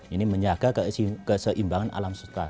ini menjaga keseimbangan alam sutra